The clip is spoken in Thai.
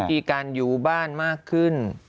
มีการอยู่บ้านมากขึ้น